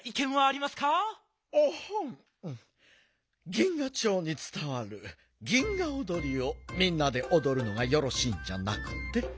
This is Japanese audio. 銀河町につたわる銀河おどりをみんなでおどるのがよろしいんじゃなくて？